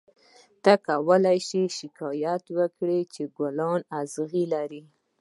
ته کولای شې شکایت وکړې چې ګلان اغزي لري.